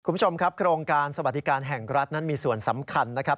คุณผู้ชมครับโครงการสวัสดิการแห่งรัฐนั้นมีส่วนสำคัญนะครับ